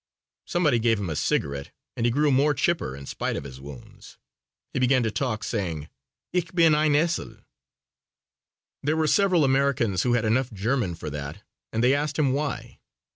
Somebody gave him a cigarette and he grew more chipper in spite of his wounds. He began to talk, saying: "Ich bin ein esel." There were several Americans who had enough German for that and they asked him why.